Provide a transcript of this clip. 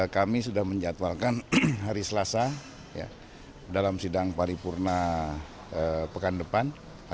kami sudah menjatuhkan hari selasa dalam sidang paripurna pekan depan